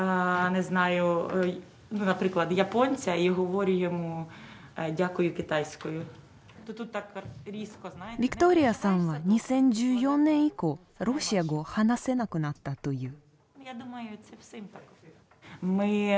ヴィクトリアさんは２０１４年以降ロシア語を話せなくなったという。